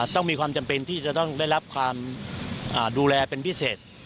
ต้องมีความจำเป็นที่จะต้องได้รับความดูแลเป็นพิเศษ